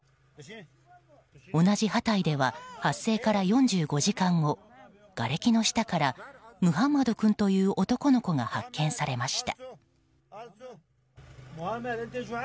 同じハタイでは発生から４５時間後がれきの下からムハンマド君という男の子が発見されました。